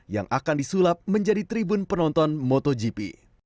yang akan disulap menjadi tribun penonton motogp